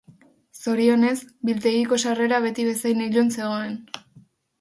Zorionez, biltegiko sarrera beti bezain ilun zegoen.